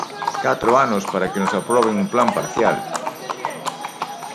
¡Catro anos para que nos aproben un plan parcial!